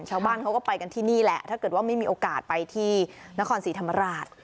ชาวบ้านเขาก็ไปกันที่นี่แหละถ้าเกิดว่าไม่มีโอกาสไปที่นครศรีธรรมราช